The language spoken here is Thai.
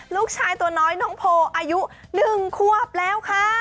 ลูกชายตัวน้อยน้องโพอายุ๑ควบแล้วค่ะ